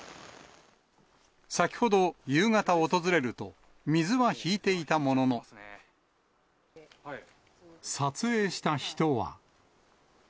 先ほど夕方訪れると、水は引いていたものの、撮影した人は。